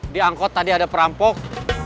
di angkot tadi ada perampok